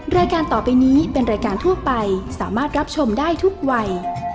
รายการต่อไปนี้เป็นรายการทั่วไปสามารถรับชมได้ทุกวัย